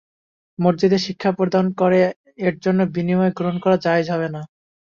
মসজিদে শিক্ষা প্রদান করে এর জন্য বিনিময় গ্রহণ করা জায়েজ হবে না।